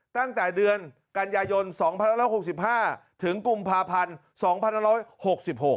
ตั้งแต่เดือนกันยายน๒๑๖๕ถึงกุมภาพันธุ์๒๑๖๖